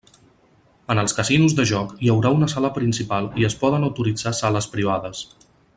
En els casinos de joc hi haurà una sala principal i es poden autoritzar sales privades.